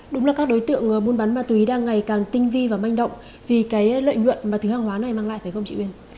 đúng là các đối tượng buôn bán ma túy đang ngày càng tinh vi và manh động vì cái lợi nhuận mà thứ hàng hóa này mang lại phải không chị uyên